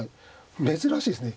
珍しいですね。